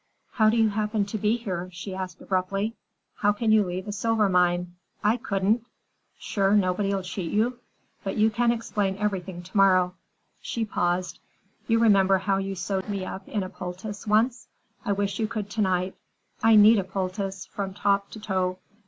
"How do you happen to be here?" she asked abruptly. "How can you leave a silver mine? I couldn't! Sure nobody'll cheat you? But you can explain everything tomorrow." She paused. "You remember how you sewed me up in a poultice, once? I wish you could to night. I need a poultice, from top to toe.